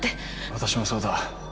私もそうだ。